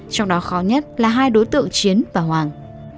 trong đó khó nhất là hai đối tượng chiến và hoàng